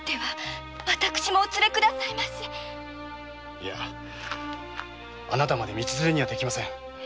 いやあなたまで道連れにはできません。